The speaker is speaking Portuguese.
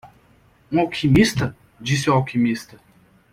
"Um alquimista?" disse o alquimista.